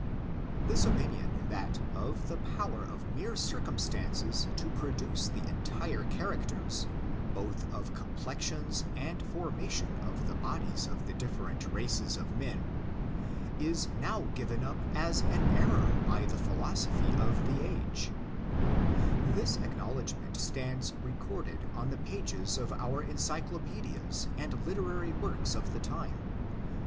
This opinion, that of the power of mere circum stances to produce the entire characters, both of com 2 ^t^h^^^^^^ ^k^h^t^Mlk^l^M^^iV^^V^ 26 ORIGIN, CHARACTER, AND plexions and formation of the bodies of the different races of men, is now given up as an error by the philosophy of the age. This acknowledgment stands recorded on the pages of our Encyclopaedias and literary works of the time.